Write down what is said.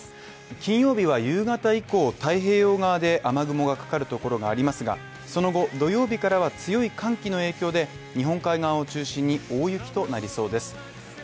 金曜日は夕方以降太平洋側で雨雲がかかるところがありますが、その後、土曜日からは強い寒気の影響で日本海側を中心に大雪となりそうです